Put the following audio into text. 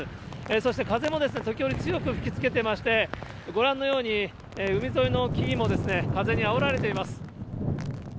そして風も時折、強く吹きつけてまして、ご覧のように、海沿いの木々も風にあおられています。